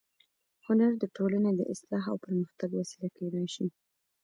هنر د ټولنې د اصلاح او پرمختګ وسیله کېدای شي